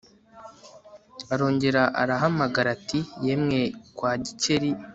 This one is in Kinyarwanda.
arongera arahamagara ati yemwe kwa Gikeli